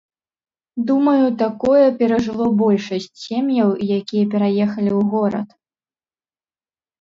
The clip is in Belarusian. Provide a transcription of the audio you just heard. Думаю, такое перажыло большасць сем'яў, якія пераехалі ў горад.